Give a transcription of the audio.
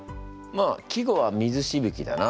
まあ季語は水しぶきだな。